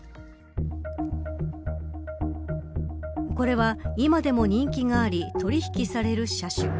これは今でも人気があり取引される車種。